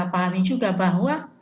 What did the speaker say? pahami juga bahwa